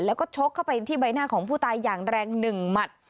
แล้วก็ชกเข้าไปที่ใบหน้าของผู้ตายอย่างแรง๑หมัด